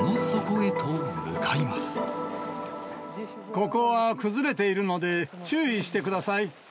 ここは崩れているので、注意してください。